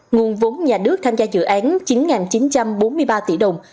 nguồn vốn nhà nước tham gia dự án chín chín trăm bốn mươi ba tỷ đồng